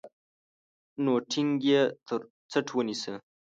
نو ټينګ يې تر څټ ونيسه.